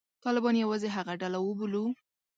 طالبان یوازې هغه ډله وبولو.